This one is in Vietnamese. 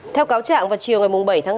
theo cáo trạng vào chiều ngày bảy tháng hai